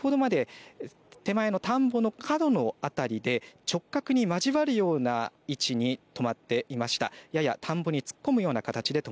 この２台の車先ほどまで手前の田んぼの角の辺りで直角に交わるような位置に止まっていました。